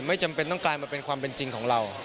ไม่จำเป็นต้องกลายมาเป็นความเป็นจริงของเรา